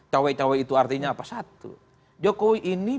partainya apa satu jokowi ini